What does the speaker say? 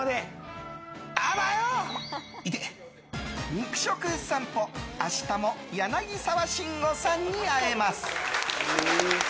肉食さんぽ明日も柳沢慎吾さんに会えます。